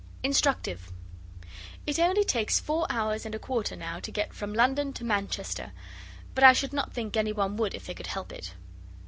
INSTRUCTIVE It only takes four hours and a quarter now to get from London to Manchester; but I should not think any one would if they could help it.